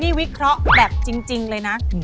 นี่วิเคราะห์แบบจริงเลยนะ